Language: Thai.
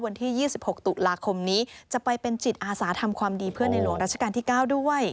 วันที่๒๖ตุลาคมนี้จะไปเป็นจิตอาสาทำความดีเพื่อในหลวงราชการที่๙ด้วย